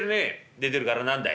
「出てるから何だい」。